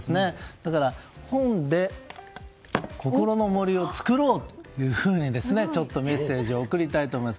だから、本で心の森を作ろうとちょっとメッセージを送りたいと思います。